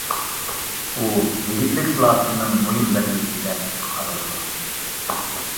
ئۇ يىگىتلىك سالاپىتىنىڭ مۇھىم بەلگىسى، دەپ قارىلىدۇ.